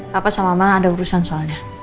papa sama mama ada urusan soalnya